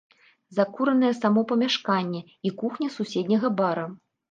Закуранае само памяшканне і кухня суседняга бара.